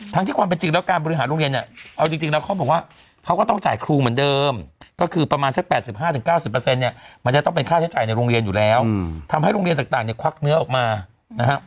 ที่ความเป็นจริงแล้วการบริหารโรงเรียนเนี่ยเอาจริงแล้วเขาบอกว่าเขาก็ต้องจ่ายครูเหมือนเดิมก็คือประมาณสัก๘๕๙๐เนี่ยมันจะต้องเป็นค่าใช้จ่ายในโรงเรียนอยู่แล้วทำให้โรงเรียนต่างเนี่ยควักเนื้อออกมานะฮะ